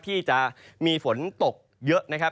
ที่จะมีฝนตกเยอะนะครับ